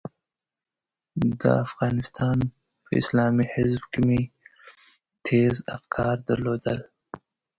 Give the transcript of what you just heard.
د افغانستان په اسلامي حزب کې مې تېز افکار درلودل.